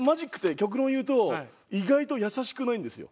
極論言うと意外と易しくないんですよ。